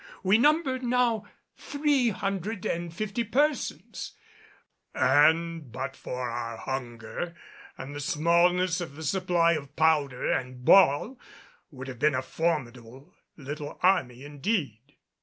We numbered now three hundred and fifty persons, and but for our hunger and the smallness of the supply of powder and ball would have been a formidable little army indeed.